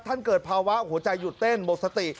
เกิดภาวะหัวใจหยุดเต้นหมดสติ